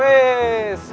ketemu sama siapa